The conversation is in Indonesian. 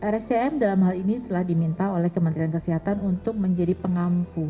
rscm dalam hal ini telah diminta oleh kementerian kesehatan untuk menjadi pengampu